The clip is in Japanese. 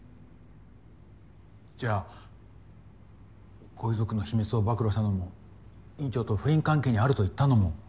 じゃあご遺族の秘密を暴露したのも院長と不倫関係にあると言ったのも。